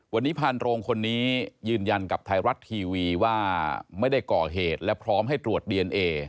วันนี้พานโรงคนนี้ยืนยันกับไทยรัฐทีวีว่าไม่ได้ก่อเหตุและพร้อมให้ตรวจดีเอนเอ